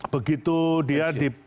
begitu dia di